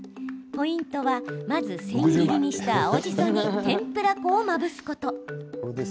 ポイントはまず千切りにした青じそに天ぷら粉をまぶすこと。